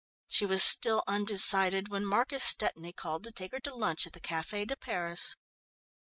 She was still undecided when Marcus Stepney called to take her to lunch at the Café de Paris.